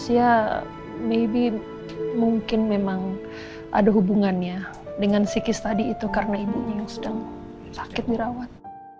ya maybe mungkin memang ada hubungannya dengan psikis tadi itu karena ibunya yang sedang sakit dirawat